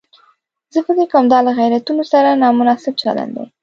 زه فکر کوم دا له غیرتونو سره نامناسب چلن دی.